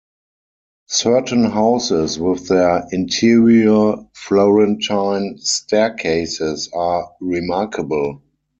Certain houses with their interior Florentine staircases are remarkable.